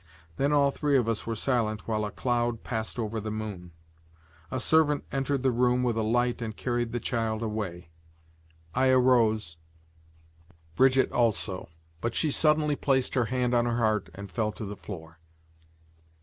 Then all three of us were silent while a cloud passed over the moon. A servant entered the room with a light and carried the child away. I arose, Brigitte also; but she suddenly placed her hand on her heart and fell to the floor.